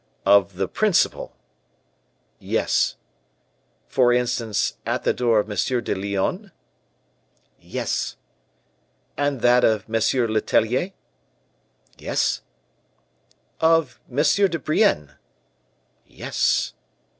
"Of the principal?" "Yes." "For instance, at the door of M. de Lyonne?" "Yes." "And that of M. Letellier?" "Yes." "Of M. de Brienne?" "Yes."